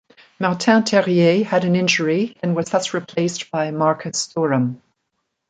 Martin Terrier had an injury and was thus replaced by Marcus Thuram.